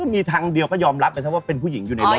มีทางเดียวก็ยอมรับนะครับว่าเป็นผู้หญิงอยู่ในรถ